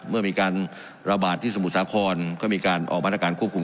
เมื่อมีการระบาดที่สมุทรสาครก็มีการออกมาตรการควบคุม